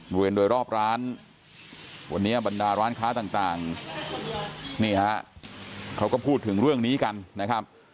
บริเวณโดยรอบร้านวันนี้บรรดาร้านค้าต่างนี่ฮะเขาก็พูดถึงเรื่องนี้กันนะครับ